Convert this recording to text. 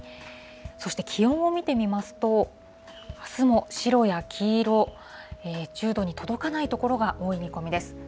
そして気温を見てみますと、あすも白や黄色、１０度に届かない所が多い見込みです。